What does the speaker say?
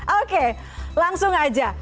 oke langsung saja